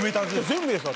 全部です。